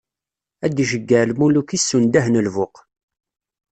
Ad iceggeɛ lmuluk-is s undah n lbuq.